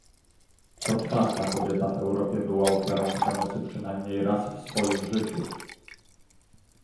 Co czwarta kobieta w Europie była ofiarą przemocy przynajmniej raz w swoim życiu